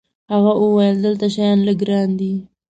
هغه وویل: دلته شیان لږ ګران دي.